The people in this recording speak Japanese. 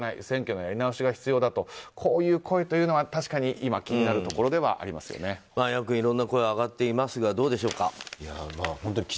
選挙のやり直しが必要だという声というのは確かに気になるところではヤックンいろんな声、上がっていますがどうでしょうか？